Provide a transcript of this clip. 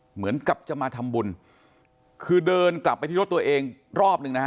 เหมือนกับจะมาทำบุญคือเดินกลับไปที่รถตัวเองรอบหนึ่งนะฮะ